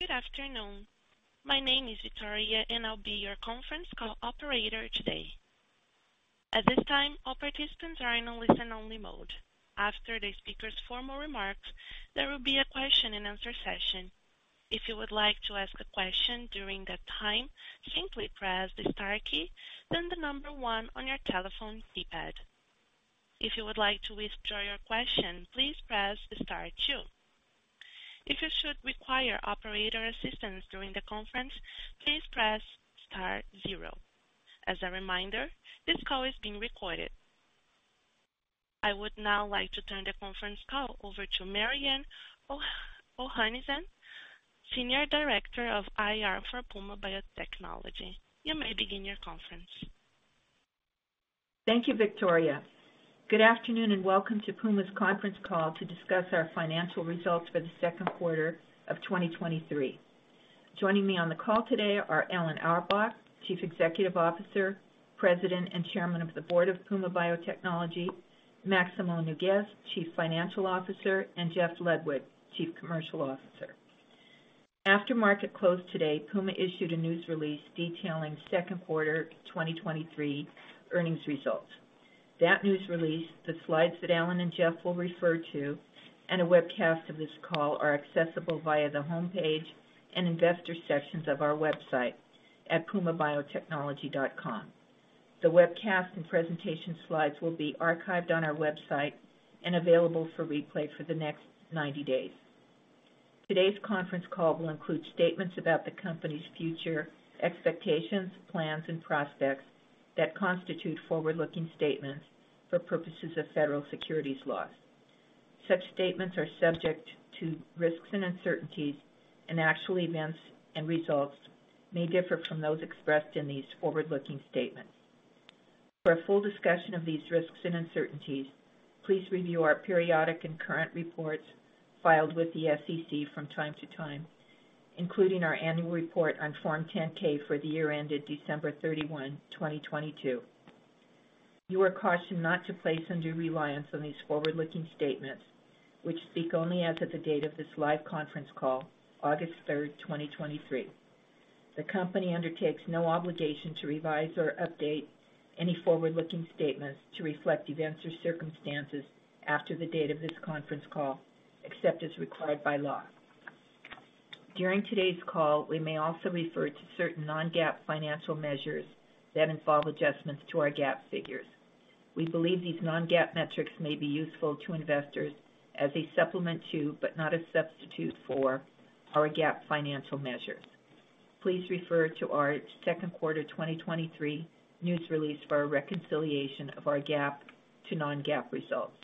Good afternoon. My name is Victoria, and I'll be your conference call operator today. At this time, all participants are in a listen-only mode. After the speaker's formal remarks, there will be a question-and-answer session. If you would like to ask a question during that time, simply press the star key, then the number one on your telephone keypad. If you would like to withdraw your question, please press the star two. If you should require operator assistance during the conference, please press star zero. As a reminder, this call is being recorded. I would now like to turn the conference call over to Mariann Ohanessian, Senior Director of IR for Puma Biotechnology. You may begin your conference. Thank you, Victoria. Good afternoon, welcome to Puma's conference call to discuss our financial results for the second quarter of 2023. Joining me on the call today are Alan Auerbach, Chief Executive Officer, President, and Chairman of the Board of Puma Biotechnology, Maximo Nougues, Chief Financial Officer, and Jeff Ludwig, Chief Commercial Officer. After market closed today, Puma issued a news release detailing second quarter 2023 earnings results. That news release, the slides that Alan and Jeff will refer to, and a webcast of this call are accessible via the Homepage and Investor sections of our website at pumabiotechnology.com. The webcast and presentation slides will be archived on our website and available for replay for the next 90 days. Today's conference call will include statements about the company's future expectations, plans, and prospects that constitute forward-looking statements for purposes of federal securities laws. Such statements are subject to risks and uncertainties, and actual events and results may differ from those expressed in these forward-looking statements. For a full discussion of these risks and uncertainties, please review our periodic and current reports filed with the SEC from time to time, including our annual report on Form 10-K for the year ended December 31, 2022. You are cautioned not to place undue reliance on these forward-looking statements, which speak only as of the date of this live conference call, August 3rd, 2023. The company undertakes no obligation to revise or update any forward-looking statements to reflect events or circumstances after the date of this conference call, except as required by law. During today's call, we may also refer to certain non-GAAP financial measures that involve adjustments to our GAAP figures. We believe these non-GAAP metrics may be useful to investors as a supplement to, but not a substitute for, our GAAP financial measures. Please refer to our second quarter 2023 news release for a reconciliation of our GAAP to non-GAAP results.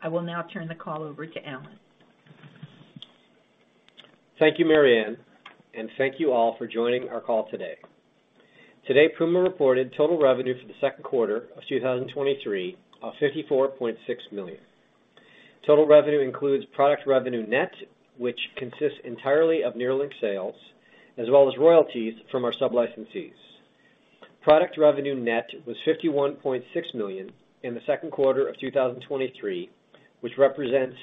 I will now turn the call over to Alan. Thank you, Mariann, thank you all for joining our call today. Today, Puma reported total revenue for the second quarter of 2023 of $54.6 million. Total revenue includes product revenue net, which consists entirely of NERLYNX sales, as well as royalties from our sub-licensees. Product revenue net was $51.6 million in the second quarter of 2023, which represents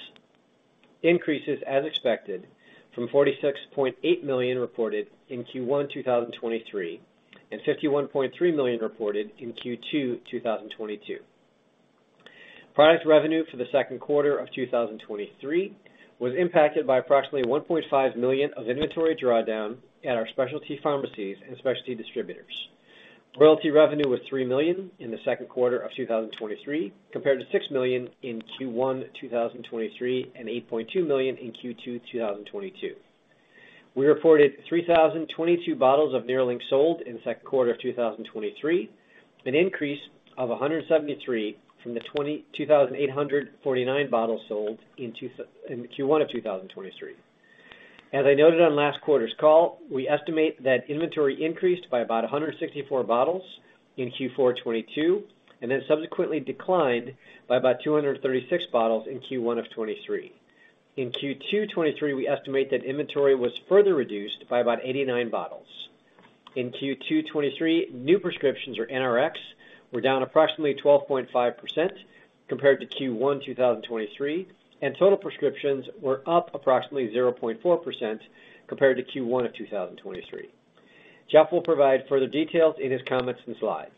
increases as expected from $46.8 million reported in Q1 2023 and $51.3 million reported in Q2 2022. Product revenue for the second quarter of 2023 was impacted by approximately $1.5 million of inventory drawdown at our specialty pharmacies and specialty distributors. Royalty revenue was $3 million in the second quarter of 2023, compared to $6 million in Q1 2023 and $8.2 million in Q2 2022. We reported 3,022 bottles of NERLYNX sold in the second quarter of 2023, an increase of 173 from the 2,849 bottles sold in Q1 of 2023. As I noted on last quarter's call, we estimate that inventory increased by about 164 bottles in Q4 2022, and then subsequently declined by about 236 bottles in Q1 of 2023. In Q2 2023, we estimate that inventory was further reduced by about 89 bottles. In Q2 2023, new prescriptions or NRX were down approximately 12.5% compared to Q1 2023. Total prescriptions were up approximately 0.4% compared to Q1 of 2023. Jeff will provide further details in his comments and slides.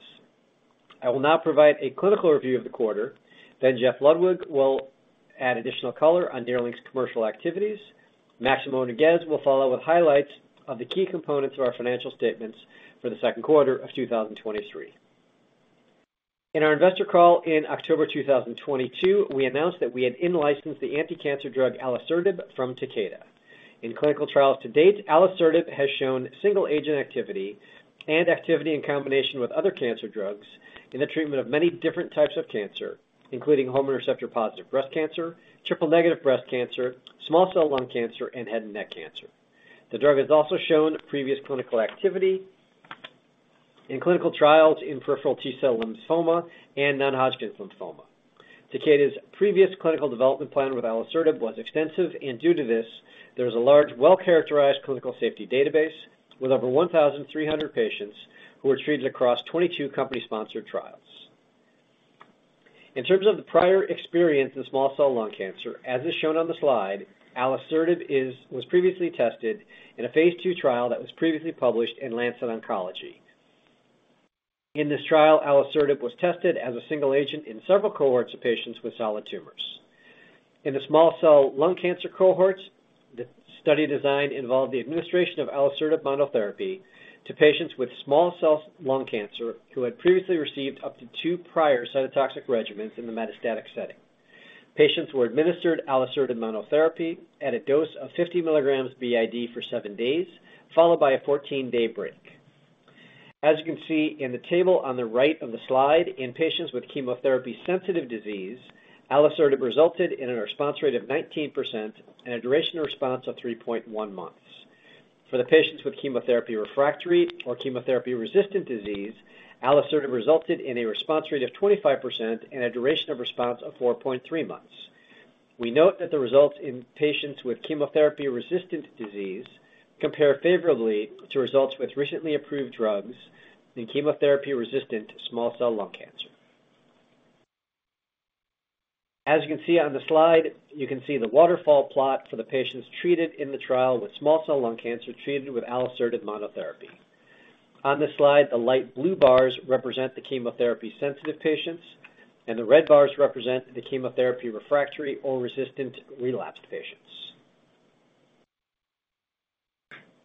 I will now provide a clinical review of the quarter. Jeff Ludwig will add additional color on NERLYNX commercial activities. Maximo Nougues will follow with highlights of the key components of our financial statements for the second quarter of 2023. In our investor call in October 2022, we announced that we had in-licensed the anticancer drug alisertib from Takeda. In clinical trials to date, alisertib has shown single-agent activity and activity in combination with other cancer drugs in the treatment of many different types of cancer, including hormone receptor-positive breast cancer, triple-negative breast cancer, small cell lung cancer, and head and neck cancer. The drug has also shown previous clinical activity in clinical trials in peripheral T-cell lymphoma and non-Hodgkin's lymphoma. Takeda's previous clinical development plan with alisertib was extensive, and due to this, there was a large, well-characterized clinical safety database with over 1,300 patients who were treated across 22 company-sponsored trials. In terms of the prior experience in small cell lung cancer, as is shown on the slide, alisertib was previously tested in a phase II trial that was previously published in The Lancet Oncology. In this trial, alisertib was tested as a single agent in several cohorts of patients with solid tumors. In the small cell lung cancer cohorts, the study design involved the administration of alisertib monotherapy to patients with small cell lung cancer, who had previously received up to 2 prior cytotoxic regimens in the metastatic setting. Patients were administered alisertib monotherapy at a dose of 50 milligrams BID for 7 days, followed by a 14-day break. As you can see in the table on the right of the slide, in patients with chemotherapy sensitive disease, alisertib resulted in a response rate of 19% and a duration of response of 3.1 months. For the patients with chemotherapy refractory or chemotherapy-resistant disease, alisertib resulted in a response rate of 25% and a duration of response of 4.3 months. We note that the results in patients with chemotherapy-resistant disease compare favorably to results with recently approved drugs in chemotherapy-resistant small cell lung cancer. As you can see on the slide, you can see the waterfall plot for the patients treated in the trial with small cell lung cancer treated with alisertib monotherapy. On this slide, the light blue bars represent the chemotherapy-sensitive patients, and the red bars represent the chemotherapy refractory or resistant relapsed patients.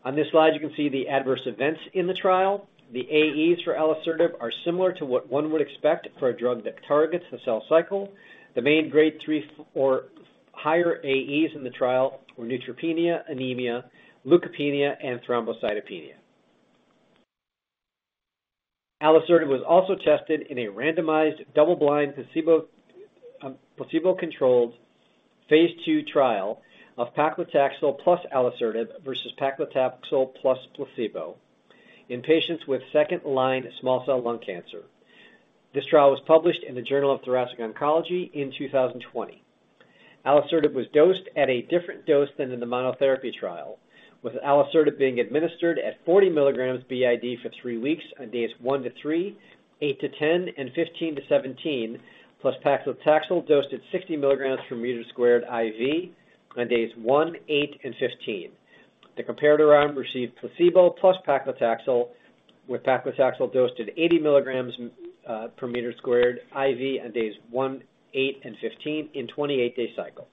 On this slide, you can see the adverse events in the trial. The AEs for alisertib are similar to what one would expect for a drug that targets the cell cycle. The main Grade 3 or higher AEs in the trial were neutropenia, anemia, leukopenia, and thrombocytopenia. Alisertib was also tested in a randomized, double-blind, placebo, placebo-controlled Phase II trial of paclitaxel plus alisertib versus paclitaxel plus placebo in patients with second-line small cell lung cancer. This trial was published in the Journal of Thoracic Oncology in 2020. Alisertib was dosed at a different dose than in the monotherapy trial, with alisertib being administered at 40 milligrams BID for 3 weeks on days 1 to 3, 8 to 10, and 15 to 17, plus paclitaxel dosed at 60 milligrams per meter squared IV on days 1, 8, and 15. The comparator arm received placebo plus paclitaxel, with paclitaxel dosed at 80 milligrams per meter squared IV on days 1, 8, and 15 in 28-day cycles.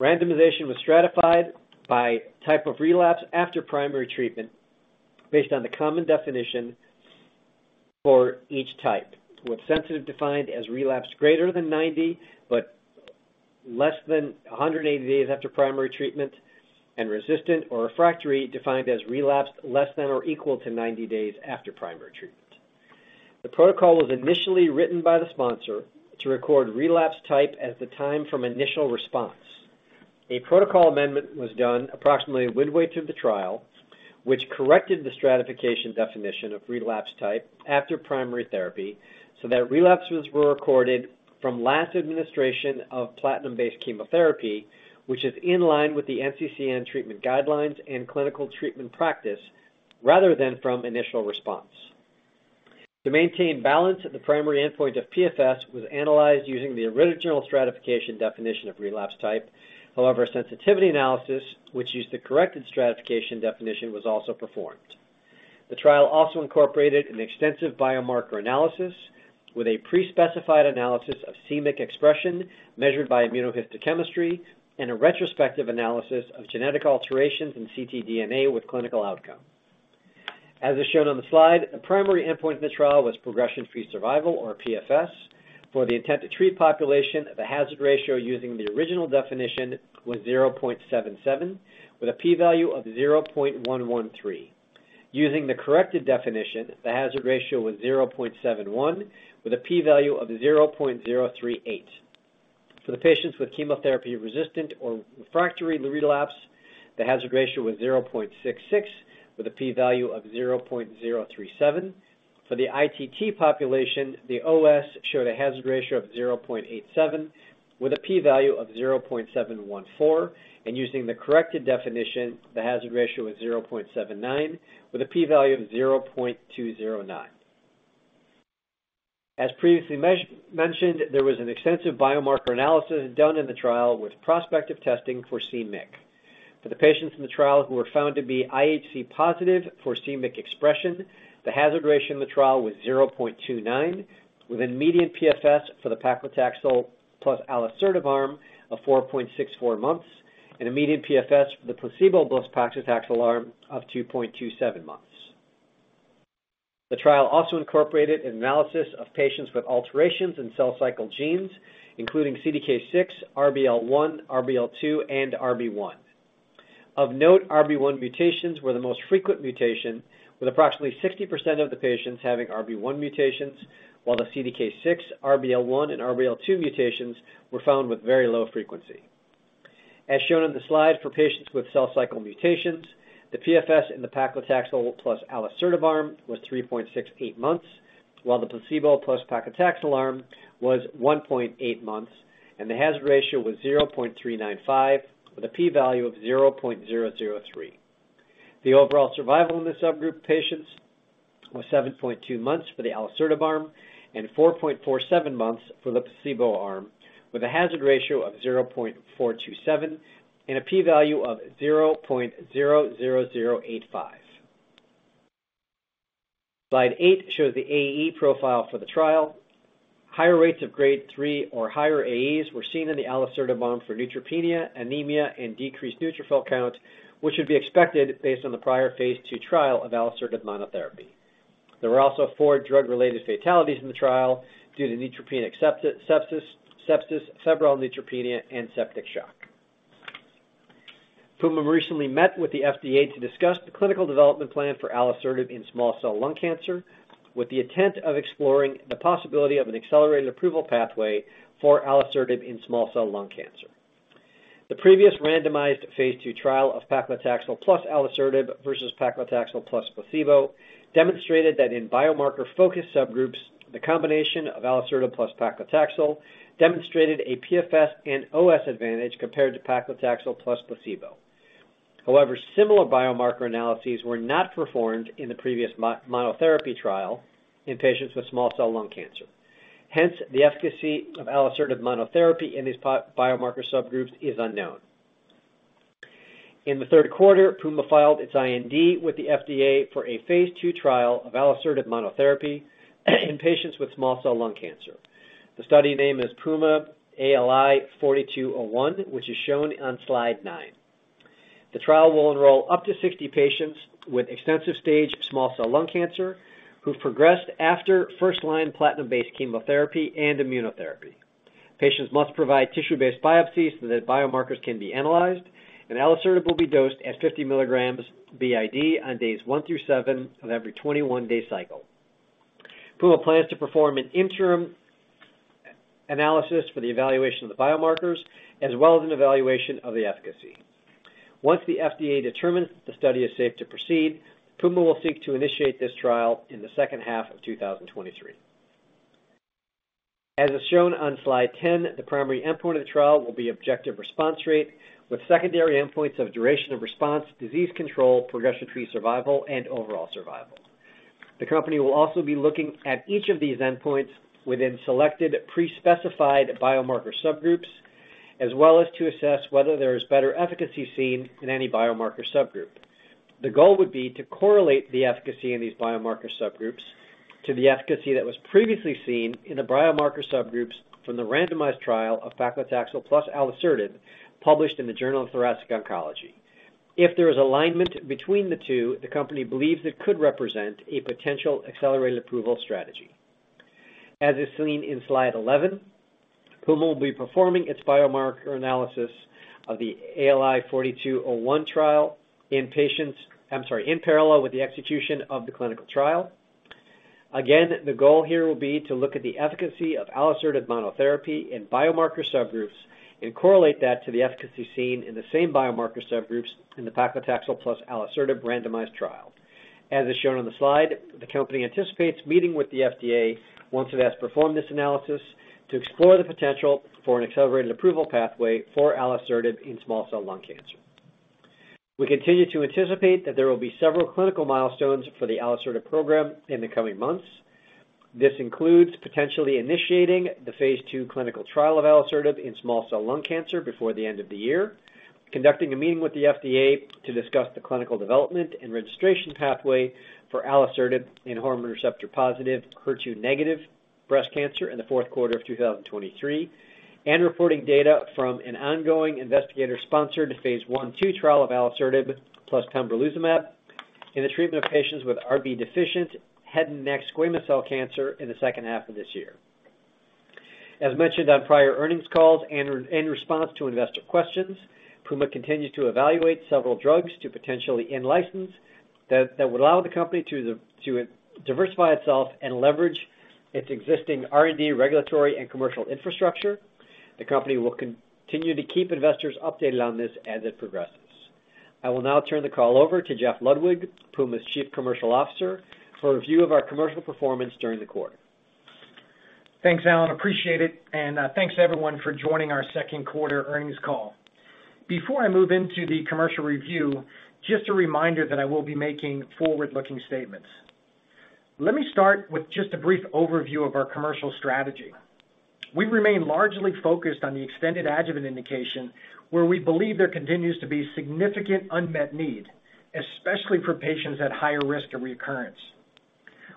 Randomization was stratified by type of relapse after primary treatment based on the common definition for each type, with sensitive defined as relapse greater than 90, but less than 180 days after primary treatment, and resistant or refractory defined as relapse less than or equal to 90 days after primary treatment. The protocol was initially written by the sponsor to record relapse type at the time from initial response. A protocol amendment was done approximately midway through the trial, which corrected the stratification definition of relapse type after primary therapy, so that relapses were recorded from last administration of platinum-based chemotherapy, which is in line with the NCCN treatment guidelines and clinical treatment practice, rather than from initial response. To maintain balance of the primary endpoint of PFS was analyzed using the original stratification definition of relapse type. However, sensitivity analysis, which used the corrected stratification definition, also performed. The trial also incorporated an extensive biomarker analysis with a pre-specified analysis of c-Myc expression, measured by immunohistochemistry and a retrospective analysis of genetic alterations in ctDNA with clinical outcome. As is shown on the slide, the primary endpoint in the trial was progression-free survival or PFS. For the intent to treat population, the hazard ratio using the original definition was 0.77, with a P value of 0.113. Using the corrected definition, the hazard ratio was 0.71, with a P value of 0.038. For the patients with chemotherapy-resistant or refractory relapse, the hazard ratio was 0.66, with a P value of 0.037. For the ITT population, the OS showed a hazard ratio of 0.87, with a P value of 0.714, and using the corrected definition, the hazard ratio was 0.79, with a P value of 0.209. As previously mentioned, there was an extensive biomarker analysis done in the trial with prospective testing for c-Myc. For the patients in the trial who were found to be IHC positive for c-Myc expression, the hazard ratio in the trial was 0.29, with a median PFS for the paclitaxel plus alisertib arm of 4.64 months, and a median PFS for the placebo plus paclitaxel arm of 2.27 months. The trial also incorporated an analysis of patients with alterations in cell cycle genes, including CDK6, RBL1, RBL2, and RB1. Of note, RB1 mutations were the most frequent mutation, with approximately 60% of the patients having RB1 mutations, while the CDK6, RBL1, and RBL2 mutations were found with very low frequency. As shown on the slide, for patients with cell cycle mutations, the PFS in the paclitaxel plus alisertib arm was 3.68 months, while the placebo plus paclitaxel arm was 1.8 months, and the hazard ratio was 0.395, with a P value of 0.003. The overall survival in the subgroup patients was 7.2 months for the alisertib arm and 4.47 months for the placebo arm, with a hazard ratio of 0.427 and a P value of 0.00085. Slide 8 shows the AE profile for the trial. Higher rates of Grade 3 or higher AEs were seen in the alisertib arm for neutropenia, anemia, and decreased neutrophil count, which would be expected based on the prior Phase II trial of alisertib monotherapy. There were also four drug-related fatalities in the trial due to neutropenic sepsis, sepsis, febrile neutropenia, and septic shock. Puma recently met with the FDA to discuss the clinical development plan for alisertib in small cell lung cancer, with the intent of exploring the possibility of an accelerated approval pathway for alisertib in small cell lung cancer. The previous randomized Phase II trial of paclitaxel plus alisertib versus paclitaxel plus placebo demonstrated that in biomarker-focused subgroups, the combination of alisertib plus paclitaxel demonstrated a PFS and OS advantage compared to paclitaxel plus placebo. However, similar biomarker analyses were not performed in the previous monotherapy trial in patients with small cell lung cancer. Hence, the efficacy of alisertib monotherapy in these biomarker subgroups is unknown. In the 3rd quarter, Puma filed its IND with the FDA for a phase II trial of alisertib monotherapy in patients with small cell lung cancer. The study name is PUMA-ALI-4201, which is shown on slide 9. The trial will enroll up to 60 patients with extensive stage small cell lung cancer, who've progressed after first-line platinum-based chemotherapy and immunotherapy. Patients must provide tissue-based biopsies so that biomarkers can be analyzed, and alisertib will be dosed at 50 milligrams BID on days 1 through 7 of every 21-day cycle. Puma plans to perform an interim analysis for the evaluation of the biomarkers, as well as an evaluation of the efficacy. Once the FDA determines the study is safe to proceed, Puma will seek to initiate this trial in the second half of 2023. As is shown on slide 10, the primary endpoint of the trial will be objective response rate, with secondary endpoints of duration of response, disease control, progression-free survival, and overall survival. The company will also be looking at each of these endpoints within selected pre-specified biomarker subgroups, as well as to assess whether there is better efficacy seen in any biomarker subgroup. The goal would be to correlate the efficacy in these biomarker subgroups to the efficacy that was previously seen in the biomarker subgroups from the randomized trial of paclitaxel plus alisertib, published in the Journal of Thoracic Oncology. If there is alignment between the two, the company believes it could represent a potential accelerated approval strategy. As is seen in slide 11, Puma will be performing its biomarker analysis of the ALI 4201 trial in patients... I'm sorry, in parallel with the execution of the clinical trial. Again, the goal here will be to look at the efficacy of alisertib monotherapy in biomarker subgroups and correlate that to the efficacy seen in the same biomarker subgroups in the paclitaxel plus alisertib randomized trial. As is shown on the slide, the company anticipates meeting with the FDA once it has performed this analysis, to explore the potential for an accelerated approval pathway for alisertib in small cell lung cancer. We continue to anticipate that there will be several clinical milestones for the alisertib program in the coming months. This includes potentially initiating the phase II clinical trial of alisertib in small cell lung cancer before the end of the year, conducting a meeting with the FDA to discuss the clinical development and registration pathway for alisertib in hormone receptor-positive, HER2-negative breast cancer in the fourth quarter of 2023, and reporting data from an ongoing investigator-sponsored phase I/II trial of alisertib plus pembrolizumab in the treatment of patients with Rb-deficient head and neck squamous cell cancer in the second half of this year. As mentioned on prior earnings calls and in response to investor questions, Puma continues to evaluate several drugs to potentially in-license that would allow the company to diversify itself and leverage its existing R&D regulatory and commercial infrastructure. The company will continue to keep investors updated on this as it progresses. I will now turn the call over to Jeff Ludwig, Puma's Chief Commercial Officer, for a review of our commercial performance during the quarter. Thanks, Alan. Appreciate it, and thanks to everyone for joining our second quarter earnings call. Before I move into the commercial review, just a reminder that I will be making forward-looking statements. Let me start with just a brief overview of our commercial strategy. We remain largely focused on the extended adjuvant indication, where we believe there continues to be significant unmet need, especially for patients at higher risk of recurrence.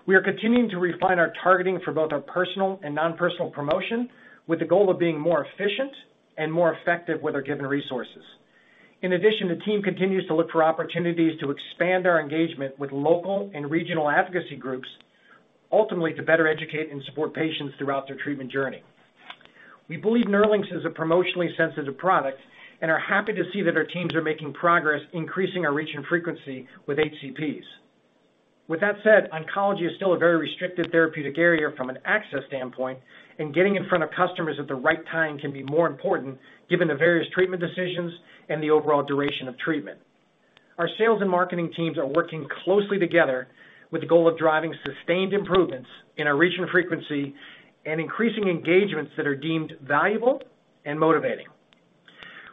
We are continuing to refine our targeting for both our personal and non-personal promotion, with the goal of being more efficient and more effective with our given resources. In addition, the team continues to look for opportunities to expand our engagement with local and regional advocacy groups, ultimately to better educate and support patients throughout their treatment journey. We believe NERLYNX is a promotionally sensitive product and are happy to see that our teams are making progress, increasing our reach and frequency with HCPs. With that said, oncology is still a very restricted therapeutic area from an access standpoint, and getting in front of customers at the right time can be more important, given the various treatment decisions and the overall duration of treatment. Our sales and marketing teams are working closely together with the goal of driving sustained improvements in our reach and frequency and increasing engagements that are deemed valuable and motivating.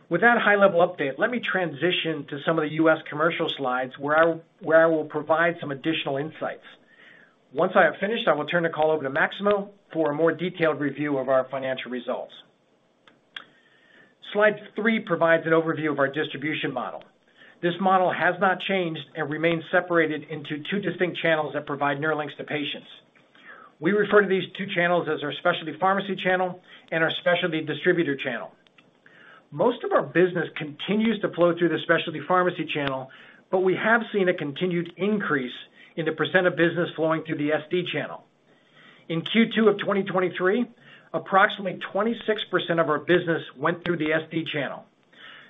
With that high-level update, let me transition to some of the U.S. commercial slides, where I will provide some additional insights. Once I have finished, I will turn the call over to Maximo for a more detailed review of our financial results. Slide 3 provides an overview of our distribution model. This model has not changed and remains separated into two distinct channels that provide NERLYNX to patients. We refer to these two channels as our specialty pharmacy channel and our specialty distributor channel. Most of our business continues to flow through the specialty pharmacy channel, but we have seen a continued increase in the % of business flowing through the SD channel. In Q2 of 2023, approximately 26% of our business went through the SD channel.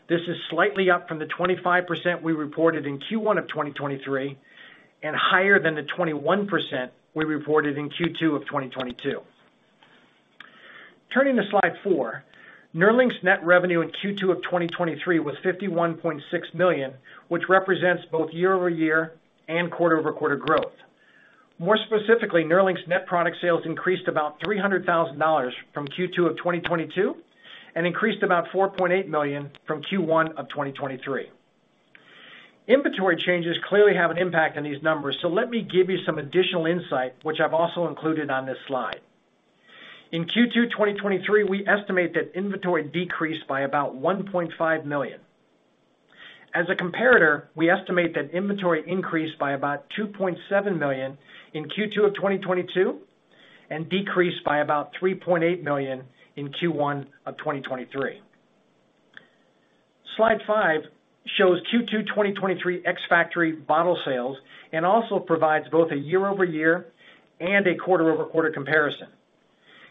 This is slightly up from the 25% we reported in Q1 of 2023, and higher than the 21% we reported in Q2 of 2022. Turning to slide 4, NERLYNX net revenue in Q2 of 2023 was $51.6 million, which represents both year-over-year and quarter-over-quarter growth. More specifically, NERLYNX net product sales increased about $300,000 from Q2 2022, increased about $4.8 million from Q1 2023. Inventory changes clearly have an impact on these numbers, let me give you some additional insight, which I've also included on this slide. In Q2 2023, we estimate that inventory decreased by about $1.5 million. As a comparator, we estimate that inventory increased by about $2.7 million in Q2 2022, decreased by about $3.8 million in Q1 2023. Slide 5 shows Q2 2023 ex-factory bottle sales, also provides both a year-over-year and a quarter-over-quarter comparison.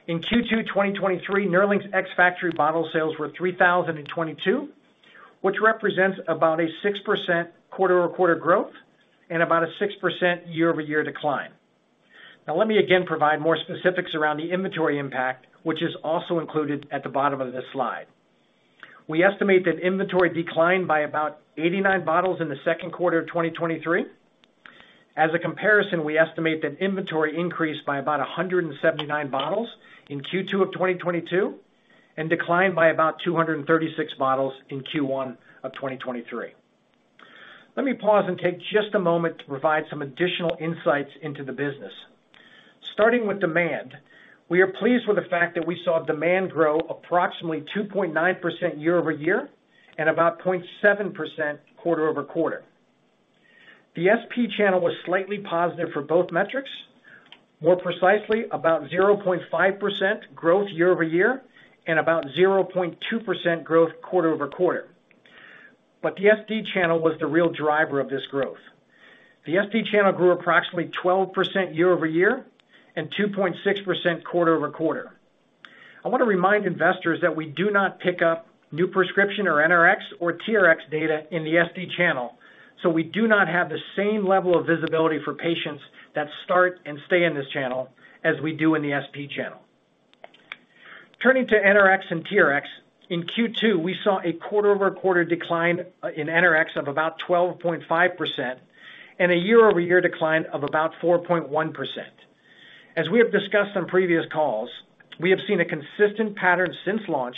In Q2 2023, NERLYNX ex-factory bottle sales were 3,022, which represents about a 6% quarter-over-quarter growth and about a 6% year-over-year decline. Now, let me again provide more specifics around the inventory impact, which is also included at the bottom of this slide. We estimate that inventory declined by about 89 bottles in the second quarter of 2023. As a comparison, we estimate that inventory increased by about 179 bottles in Q2 of 2022, and declined by about 236 bottles in Q1 of 2023. Let me pause and take just a moment to provide some additional insights into the business. Starting with demand, we are pleased with the fact that we saw demand grow approximately 2.9% year-over-year and about 0.7% quarter-over-quarter. The SP channel was slightly positive for both metrics. More precisely, about 0.5% growth year-over-year and about 0.2% growth quarter-over-quarter. The SD channel was the real driver of this growth. The SD channel grew approximately 12% year-over-year and 2.6% quarter-over-quarter. I want to remind investors that we do not pick up new prescription or NRX or TRX data in the SD channel, so we do not have the same level of visibility for patients that start and stay in this channel as we do in the SP channel. Turning to NRX and TRX, in Q2, we saw a quarter-over-quarter decline in NRX of about 12.5% and a year-over-year decline of about 4.1%. As we have discussed on previous calls, we have seen a consistent pattern since launch,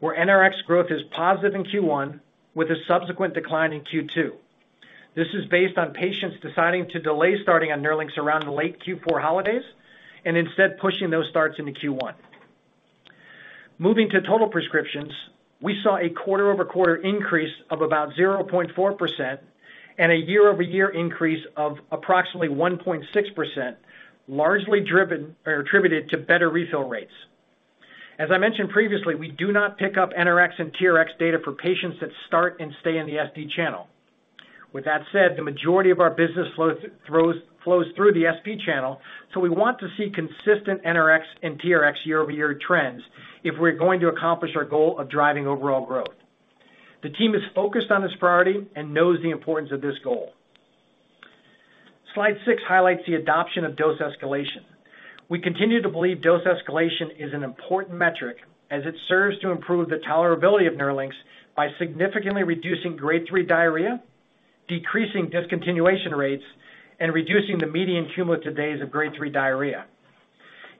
where NRX growth is positive in Q1 with a subsequent decline in Q2. This is based on patients deciding to delay starting on NERLYNX around the late Q4 holidays and instead pushing those starts into Q1. Moving to total prescriptions, we saw a quarter-over-quarter increase of about 0.4% and a year-over-year increase of approximately 1.6%, largely driven or attributed to better refill rates. As I mentioned previously, we do not pick up NRX and TRX data for patients that start and stay in the SD channel. With that said, the majority of our business flows flows through the SP channel, so we want to see consistent NRX and TRX year-over-year trends if we're going to accomplish our goal of driving overall growth. The team is focused on this priority and knows the importance of this goal. Slide 6 highlights the adoption of dose escalation. We continue to believe dose escalation is an important metric, as it serves to improve the tolerability of NERLYNX by significantly reducing grade three diarrhea, decreasing discontinuation rates, and reducing the median cumulative days of grade three diarrhea.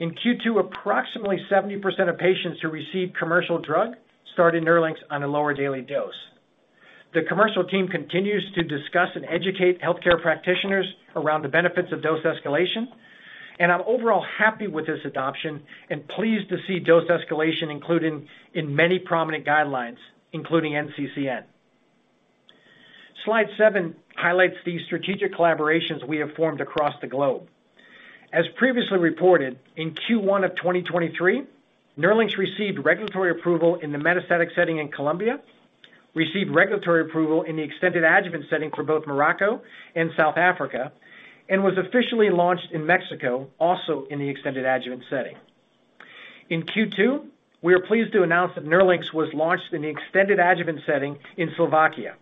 In Q2, approximately 70% of patients who received commercial drug started NERLYNX on a lower daily dose. The commercial team continues to discuss and educate healthcare practitioners around the benefits of dose escalation, and I'm overall happy with this adoption and pleased to see dose escalation included in many prominent guidelines, including NCCN. Slide 7 highlights the strategic collaborations we have formed across the globe. As previously reported, in Q1 of 2023, NERLYNX received regulatory approval in the metastatic setting in Colombia, received regulatory approval in the extended adjuvant setting for both Morocco and South Africa, and was officially launched in Mexico, also in the extended adjuvant setting. In Q2, we are pleased to announce that NERLYNX was launched in the extended adjuvant setting in Slovakia.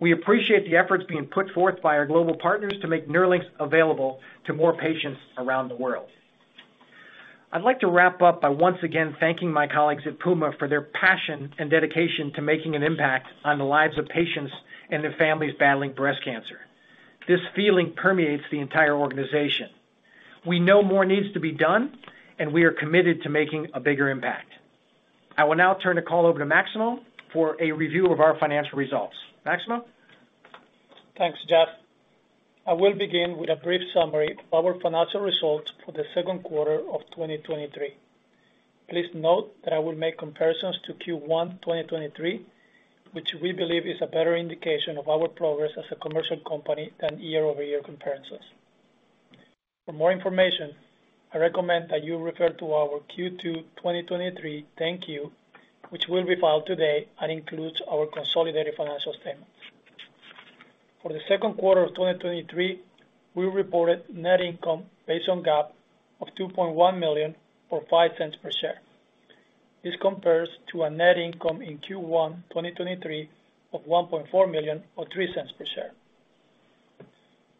We appreciate the efforts being put forth by our global partners to make NERLYNX available to more patients around the world. I'd like to wrap up by once again thanking my colleagues at Puma for their passion and dedication to making an impact on the lives of patients and their families battling breast cancer. This feeling permeates the entire organization. We know more needs to be done, and we are committed to making a bigger impact. I will now turn the call over to Maximo for a review of our financial results. Maximo? Thanks, Jeff. I will begin with a brief summary of our financial results for the second quarter of 2023. Please note that I will make comparisons to Q1, 2023, which we believe is a better indication of our progress as a commercial company than year-over-year comparisons. For more information, I recommend that you refer to our Q2 2023 thank you, which will be filed today and includes our consolidated financial statements. For the second quarter of 2023, we reported net income based on GAAP of $2.1 million, or $0.05 per share. This compares to a net income in Q1, 2023, of $1.4 million, or $0.03 per share.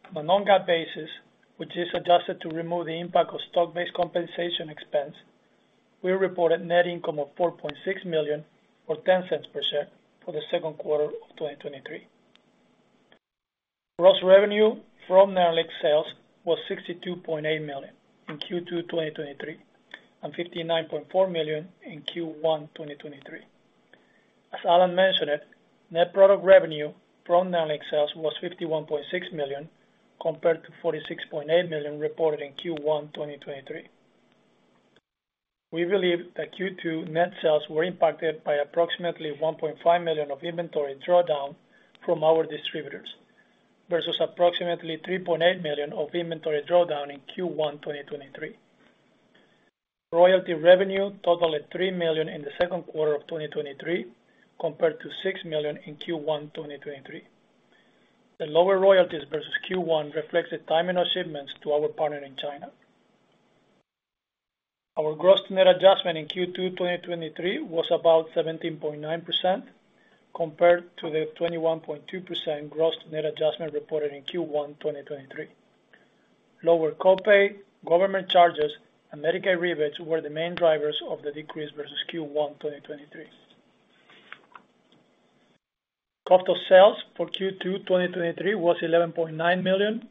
On a non-GAAP basis, which is adjusted to remove the impact of stock-based compensation expense, we reported net income of $4.6 million, or $0.10 per share for the second quarter of 2023. Gross revenue from NERLYNX sales was $62.8 million in Q2 2023, and $59.4 million in Q1 2023. As Alan mentioned it, net product revenue from NERLYNX sales was $51.6 million, compared to $46.8 million reported in Q1 2023. We believe that Q2 net sales were impacted by approximately $1.5 million of inventory drawdown from our distributors, versus approximately $3.8 million of inventory drawdown in Q1 2023. Royalty revenue totaled at $3 million in the second quarter of 2023, compared to $6 million in Q1 2023. The lower royalties versus Q1 reflects the timing of shipments to our partner in China. Our gross net adjustment in Q2 2023 was about 17.9%, compared to the 21.2% gross net adjustment reported in Q1 2023. Lower co-pay, government charges, and Medicaid rebates were the main drivers of the decrease versus Q1 2023. Cost of sales for Q2 2023 was $11.9 million,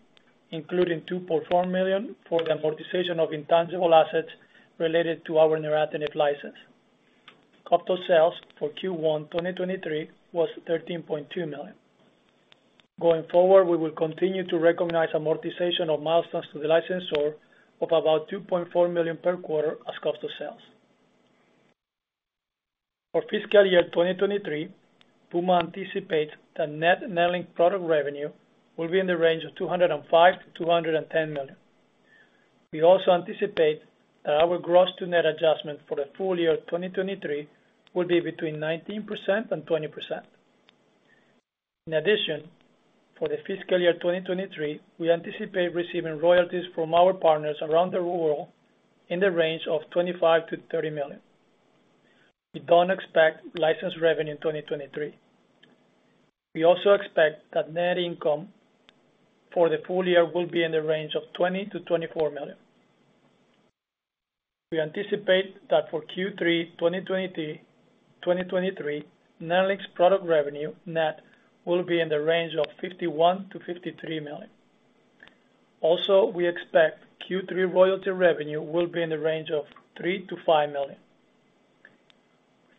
including $2.4 million for the amortization of intangible assets related to our neratinib license. Cost of sales for Q1 2023 was $13.2 million. Going forward, we will continue to recognize amortization of milestones to the licensor of about $2.4 million per quarter as cost of sales. For fiscal year 2023, Puma anticipates that net NERLYNX product revenue will be in the range of $205 million-$210 million. We also anticipate that our gross-to-net adjustment for the full year 2023 will be between 19% and 20%. In addition, for the fiscal year 2023, we anticipate receiving royalties from our partners around the world in the range of $25 million-$30 million. We don't expect license revenue in 2023. We also expect that net income for the full year will be in the range of $20 million-$24 million. We anticipate that for Q3 2023, NERLYNX product revenue net will be in the range of $51 million-$53 million. Also, we expect Q3 royalty revenue will be in the range of $3 million-$5 million.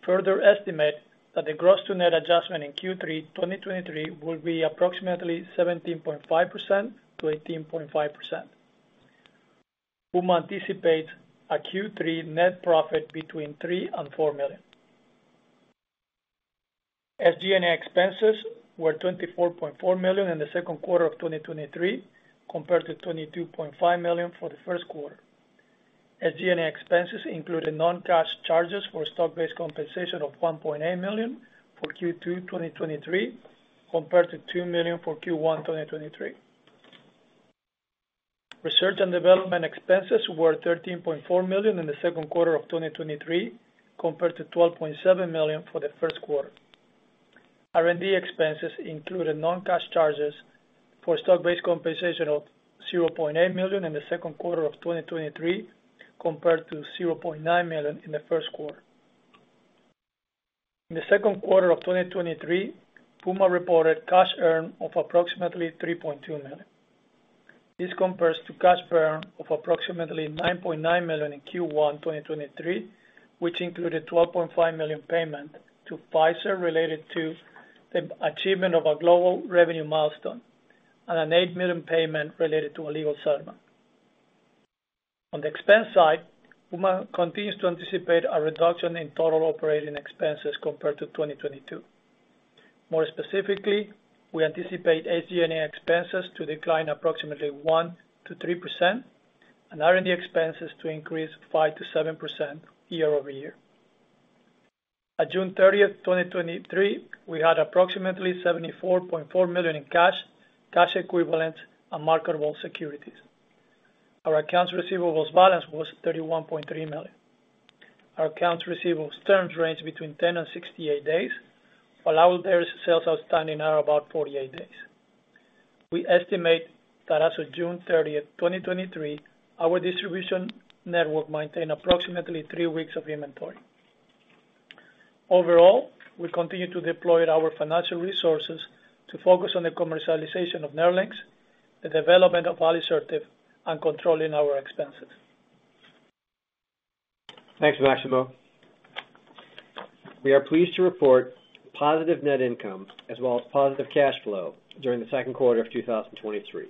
Further estimate that the gross-to-net adjustment in Q3 2023 will be approximately 17.5%-18.5%. Puma anticipates a Q3 net profit between $3 million and $4 million. SG&A expenses were $24.4 million in the second quarter of 2023, compared to $22.5 million for the first quarter. SG&A expenses included non-cash charges for stock-based compensation of $1.8 million for Q2 2023, compared to $2 million for Q1 2023. Research and development expenses were $13.4 million in the second quarter of 2023, compared to $12.7 million for the first quarter. R&D expenses included non-cash charges for stock-based compensation of $0.8 million in the second quarter of 2023, compared to $0.9 million in the first quarter. In the second quarter of 2023, Puma reported cash earned of approximately $3.2 million. This compares to cash burn of approximately $9.9 million in Q1 2023, which included $12.5 million payment to Pfizer related to the achievement of a global revenue milestone, and an $8 million payment related to a legal settlement. On the expense side, Puma continues to anticipate a reduction in total operating expenses compared to 2022. More specifically, we anticipate SG&A expenses to decline approximately 1%-3%, and R&D expenses to increase 5%-7% year-over-year. At June 30th, 2023, we had approximately $74.4 million in cash, cash equivalents, and marketable securities. Our accounts receivables balance was $31.3 million. Our accounts receivables terms range between 10 and 68 days, while our sales outstanding are about 48 days. We estimate that as of June 30th, 2023, our distribution network maintained approximately 3 weeks of inventory. Overall, we continue to deploy our financial resources to focus on the commercialization of NERLYNX, the development of alisertib, and controlling our expenses. Thanks, Maximo. We are pleased to report positive net income as well as positive cash flow during the second quarter of 2023.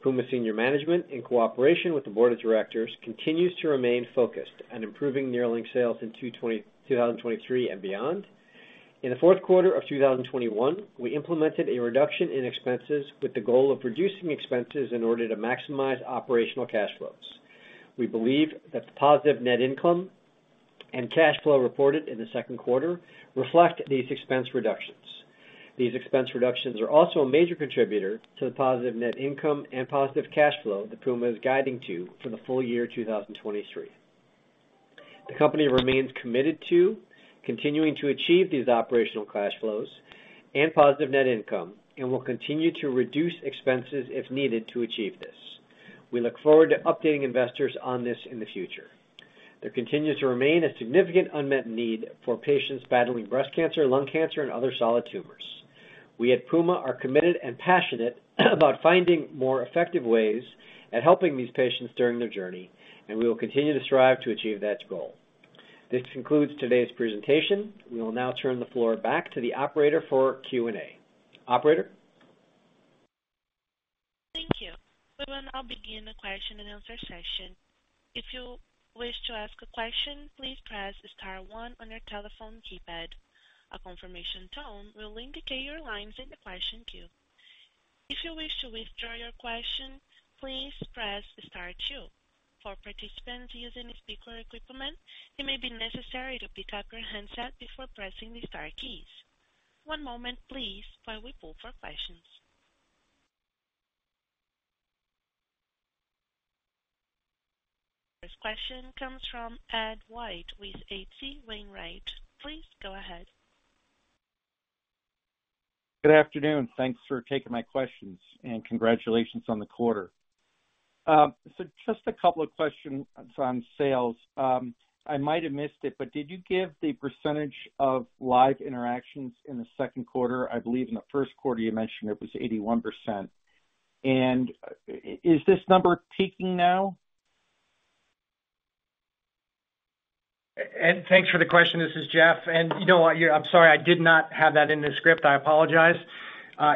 Puma senior management, in cooperation with the board of directors, continues to remain focused on improving NERLYNX sales in 2023 and beyond. In the fourth quarter of 2021, we implemented a reduction in expenses with the goal of reducing expenses in order to maximize operational cash flows. We believe that the positive net income and cash flow reported in the second quarter reflect these expense reductions. These expense reductions are also a major contributor to the positive net income and positive cash flow that Puma is guiding to for the full year 2023. The company remains committed to continuing to achieve these operational cash flows and positive net income, and will continue to reduce expenses if needed to achieve this. We look forward to updating investors on this in the future. There continues to remain a significant unmet need for patients battling breast cancer, lung cancer, and other solid tumors. We at Puma are committed and passionate about finding more effective ways at helping these patients during their journey, and we will continue to strive to achieve that goal. This concludes today's presentation. We will now turn the floor back to the operator for Q&A. Operator? Thank you. We will now begin the question and answer session. If you wish to ask a question, please press star one on your telephone keypad. A confirmation tone will indicate your line's in the question queue. If you wish to withdraw your question, please press star two. For participants using a speaker equipment, it may be necessary to pick up your handset before pressing the star keys. One moment please while we pull for questions. First question comes from Ed White with H.C. Wainwright. Please go ahead. Good afternoon. Thanks for taking my questions, and congratulations on the quarter. Just a couple of questions on sales. I might have missed it, but did you give the percentage of live interactions in the second quarter? I believe in the first quarter you mentioned it was 81%. Is this number peaking now? Ed, thanks for the question. This is Jeff. You know what? I'm sorry, I did not have that in the script. I apologize.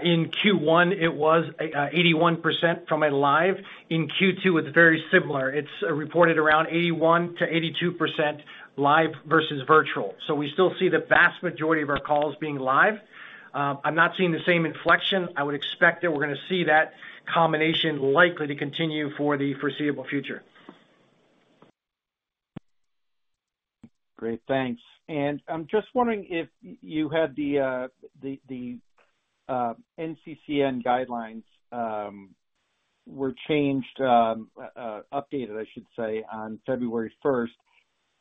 In Q1, it was 81% from a live. In Q2, it's very similar. It's reported around 81%-82% live versus virtual. We still see the vast majority of our calls being live. I'm not seeing the same inflection. I would expect that we're gonna see that combination likely to continue for the foreseeable future. Great, thanks. I'm just wondering if you had the, the, the NCCN guidelines were changed, updated, I should say, on February 1st.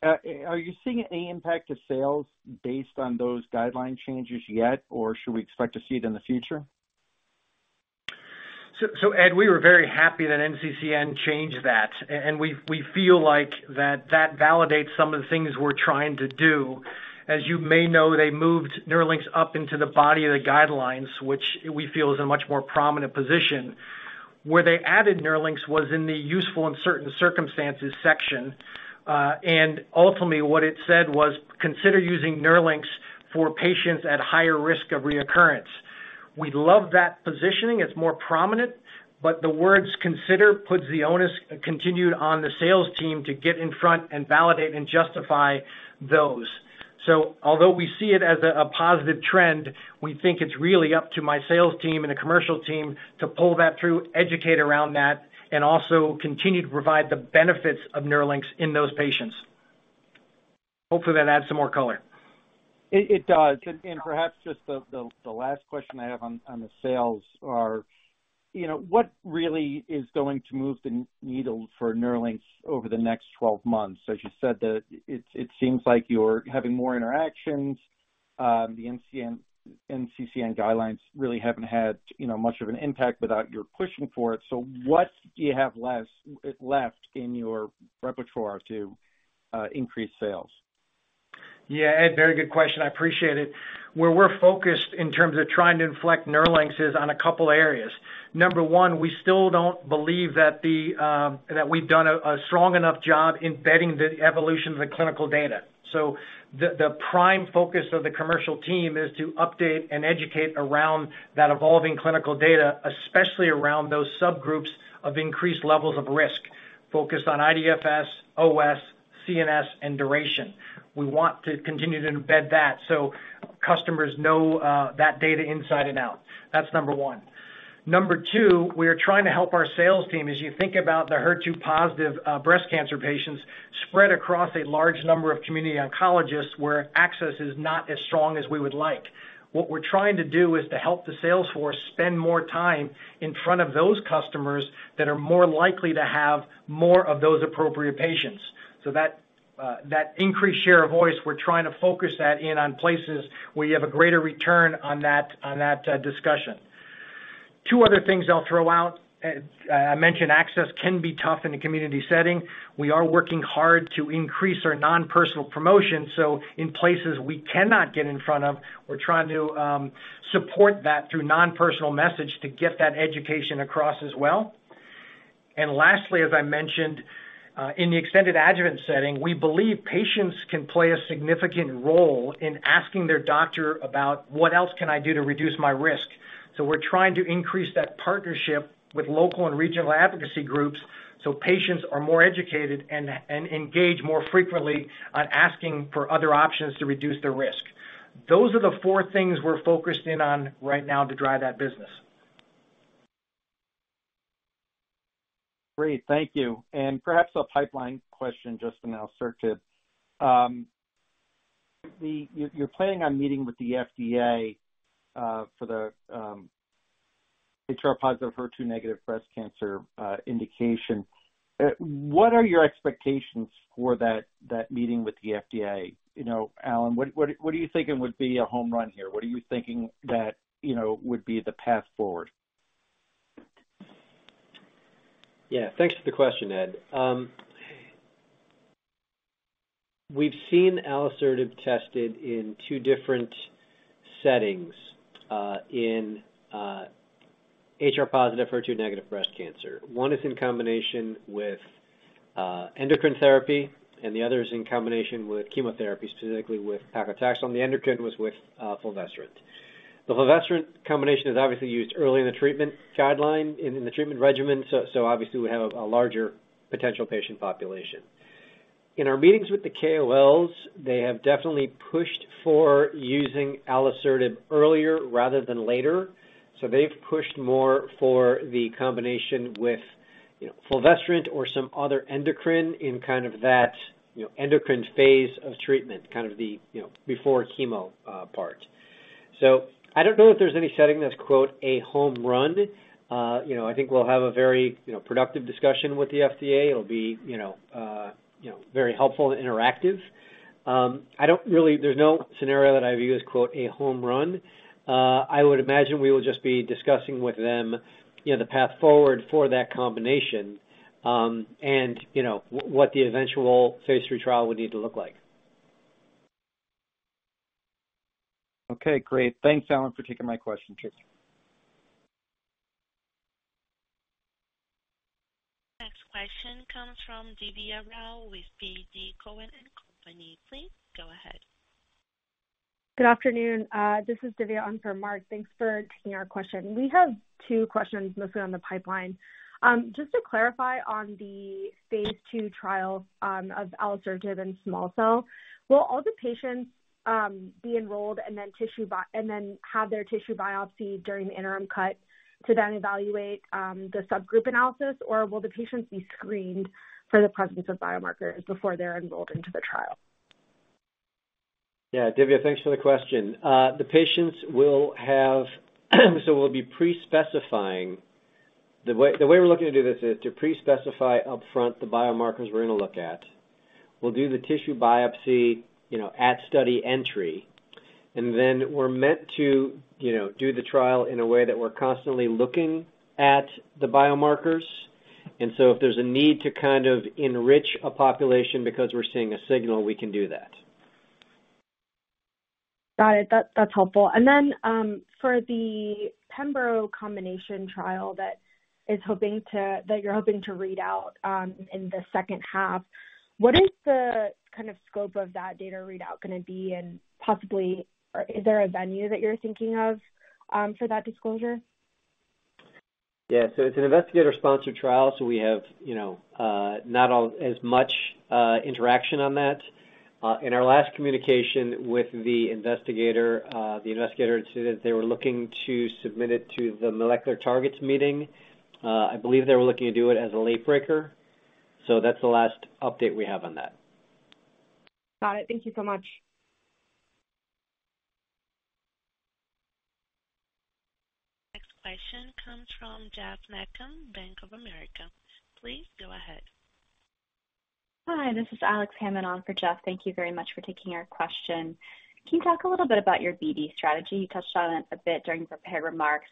Are you seeing any impact to sales based on those guideline changes yet, or should we expect to see it in the future? Ed, we were very happy that NCCN changed that, and we feel like that validates some of the things we're trying to do. As you may know, they moved NERLYNX up into the body of the guidelines, which we feel is a much more prominent position. Where they added NERLYNX was in the useful and certain circumstances section. Ultimately, what it said was, "Consider using NERLYNX for patients at higher risk of reoccurrence." We love that positioning. It's more prominent, but the words "consider" puts the onus continued on the sales team to get in front and validate and justify those. Although we see it as a positive trend, we think it's really up to my sales team and the commercial team to pull that through, educate around that, and also continue to provide the benefits of NERLYNX in those patients. Hopefully, that adds some more color. It, it does. Perhaps just the, the, the last question I have on, on the sales are, you know, what really is going to move the needle for NERLYNX over the next 12 months? As you said, it, it seems like you're having more interactions. The NCCN guidelines really haven't had, you know, much of an impact without your pushing for it. What do you have left in your repertoire to increase sales? Yeah, Ed, very good question. I appreciate it. Where we're focused in terms of trying to inflect NERLYNX is on a couple areas. Number one, we still don't believe that we've done a strong enough job in vetting the evolution of the clinical data. The prime focus of the commercial team is to update and educate around that evolving clinical data, especially around those subgroups of increased levels of risk, focused on IDFS, OS, CNS, and duration. We want to continue to embed that so customers know that data inside and out. That's Number one. Number two, we are trying to help our sales team, as you think about the HER2-positive breast cancer patients, spread across a large number of community oncologists, where access is not as strong as we would like. What we're trying to do is to help the sales force spend more time in front of those customers that are more likely to have more of those appropriate patients. That increased share of voice, we're trying to focus that in on places where you have a greater return on that, on that discussion. Two other things I'll throw out. I mentioned access can be tough in a community setting. We are working hard to increase our non-personal promotion, so in places we cannot get in front of, we're trying to support that through non-personal message to get that education across as well. Lastly, as I mentioned, in the extended adjuvant setting, we believe patients can play a significant role in asking their doctor about what else can I do to reduce my risk? We're trying to increase that partnership with local and regional advocacy groups so patients are more educated and engage more frequently on asking for other options to reduce the risk. Those are the 4 things we're focused in on right now to drive that business. Great, thank you. Perhaps a pipeline question just to now circle back. You're planning on meeting with the FDA for the HR-positive, HER2-negative breast cancer indication. What are your expectations for that, that meeting with the FDA? You know, Alan, what, what, what do you think it would be a home run here? What are you thinking that, you know, would be the path forward? Yeah, thanks for the question, Ed. We've seen alisertib tested in two different settings, in HR-positive, HER2-negative breast cancer. One is in combination with endocrine therapy, and the other is in combination with chemotherapy, specifically with paclitaxel, and the endocrine was with fulvestrant. The fulvestrant combination is obviously used early in the treatment guideline, in the treatment regimen, so, so obviously we have a larger potential patient population. In our meetings with the KOLs, they have definitely pushed for using alisertib earlier rather than later, so they've pushed more for the combination with, you know, fulvestrant or some other endocrine in kind of that, you know, endocrine phase of treatment, kind of the, you know, before chemo, part. I don't know if there's any setting that's, quote, "a home run." You know, I think we'll have a very, you know, productive discussion with the FDA. It'll be, you know, you know, very helpful and interactive. I don't really... There's no scenario that I view as, quote, "a home run." I would imagine we will just be discussing with them, you know, the path forward for that combination, and, you know, what the eventual phase three trial would need to look like. Okay, great. Thanks, Alan, for taking my question too. Next question comes from Divya Rao with TD Cowen and Company. Please go ahead. Good afternoon, this is Divya. I'm from Mark. Thanks for taking our question. We have 2 questions, mostly on the pipeline. Just to clarify on the phase II trial of alisertib in small cell, will all the patients be enrolled and then have their tissue biopsied during the interim cut to then evaluate the subgroup analysis? Will the patients be screened for the presence of biomarkers before they're enrolled into the trial? Yeah, Divya, thanks for the question. The patients will have, so we'll be pre-specifying... The way, the way we're looking to do this is to pre-specify upfront the biomarkers we're gonna look at. We'll do the tissue biopsy, you know, at study entry, and then we're meant to, you know, do the trial in a way that we're constantly looking at the biomarkers. So if there's a need to kind of enrich a population because we're seeing a signal, we can do that. Got it. That, that's helpful. Then, for the pembrolizumab combination trial that is hoping to, that you're hoping to read out, in the second half, what is the kind of scope of that data readout gonna be? Possibly, or is there a venue that you're thinking of, for that disclosure? Yeah. It's an investigator-sponsored trial, so we have, you know, not all as much interaction on that. In our last communication with the investigator, the investigator stated they were looking to submit it to the Molecular Targets meeting. I believe they were looking to do it as a late breaker, so that's the last update we have on that. Got it. Thank you so much. Next question comes from Geoff Meacham, Bank of America. Please go ahead. Hi, this is Alex Hammond on for Jeff. Thank you very much for taking our question. Can you talk a little bit about your BD strategy? You touched on it a bit during prepared remarks,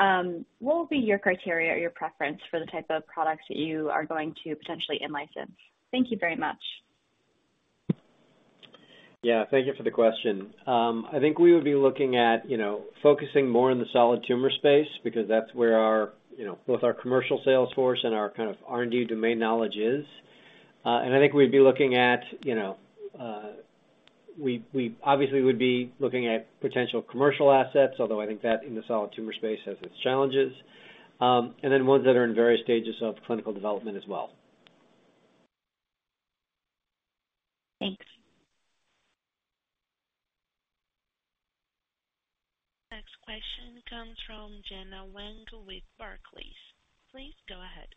but, what will be your criteria or your preference for the type of products that you are going to potentially in-license? Thank you very much. Yeah, thank you for the question. I think we would be looking at, you know, focusing more on the solid tumor space, because that's where our, you know, both our commercial sales force and our kind of R&D domain knowledge is. I think we'd be looking at, you know, we, we obviously would be looking at potential commercial assets, although I think that in the solid tumor space has its challenges, and then ones that are in various stages of clinical development as well. Thanks. Next question comes from Gena Wang with Barclays. Please go ahead.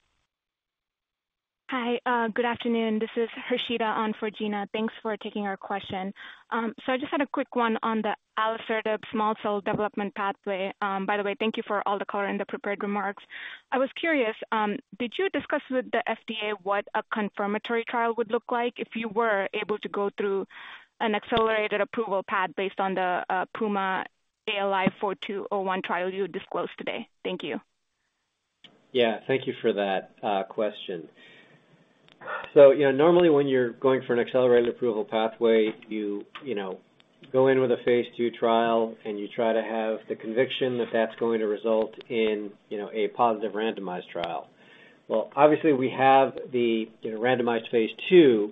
Hi, good afternoon. This is Harshita on for Gena. Thanks for taking our question. I just had a quick one on the alisertib small cell development pathway. By the way, thank you for all the color in the prepared remarks. I was curious, did you discuss with the FDA what a confirmatory trial would look like if you were able to go through an accelerated approval path based on the PUMA-ALI-4201 trial you disclosed today? Thank you. Yeah, thank you for that, question. You know, normally when you're going for an accelerated approval pathway, you, you know, go in with a phase two trial, and you try to have the conviction that that's going to result in, you know, a positive randomized trial. Well, obviously, we have the randomized phase two,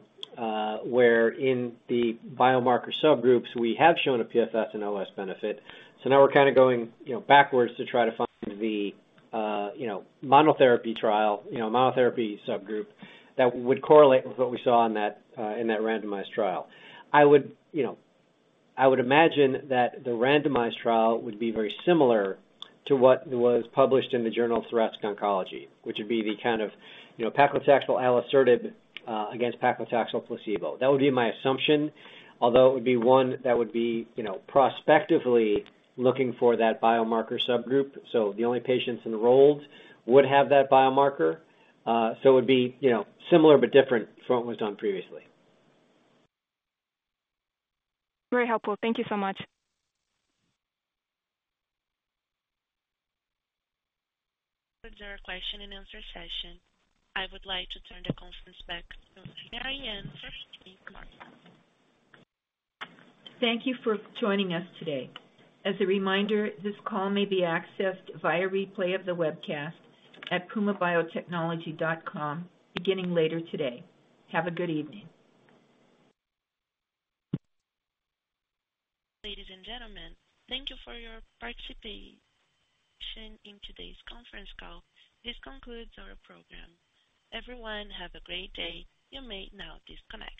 where in the biomarker subgroups, we have shown a PFS and OS benefit. Now we're kind of going, you know, backwards to try to find the, you know, monotherapy trial, you know, monotherapy subgroup that would correlate with what we saw on that, in that randomized trial. I would, you know, I would imagine that the randomized trial would be very similar to what was published in the Journal of Thoracic Oncology, which would be the kind of, you know, paclitaxel alisertib, against paclitaxel placebo. That would be my assumption, although it would be one that would be, you know, prospectively looking for that biomarker subgroup, so the only patients enrolled would have that biomarker. It would be, you know, similar but different from what was done previously. Very helpful. Thank you so much. Concludes our question and answer session. I would like to turn the conference back to Mariann, please. Thank you for joining us today. As a reminder, this call may be accessed via replay of the webcast at pumabiotechnology.com beginning later today. Have a good evening. Ladies and gentlemen, thank you for your participation in today's conference call. This concludes our program. Everyone, have a great day. You may now disconnect.